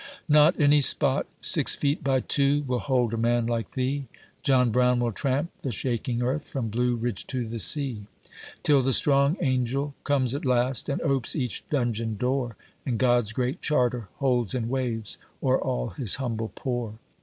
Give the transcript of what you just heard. Not any spot six feet by two Will hold a man like thee ; John Brown will tramp the shaking earth, From Blue Ridge to the sea, Till the strong angel comes at last, And opes each dungeon door, And God's " Great Charter " holds and waves O'er all his humble poor.